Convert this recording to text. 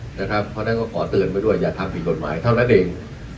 เพราะฉะนั้นก็ขอเตือนไปด้วยอย่าทำผิดกฎหมายเท่านั้นเอง